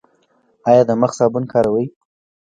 ایا د مخ صابون کاروئ؟